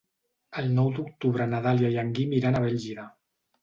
El nou d'octubre na Dàlia i en Guim iran a Bèlgida.